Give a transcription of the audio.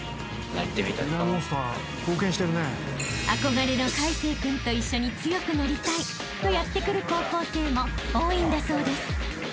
［憧れの魁成君と一緒に強くなりたいとやって来る高校生も多いんだそうです］